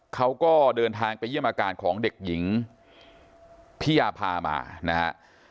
เขาก็เดินทางไปเยี่ยมอาการของเด็กหญิงพิยาพามานะฮะ